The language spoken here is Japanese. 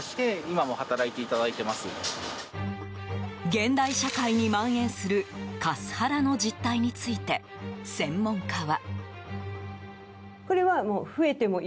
現代社会に蔓延するカスハラの実態について専門家は。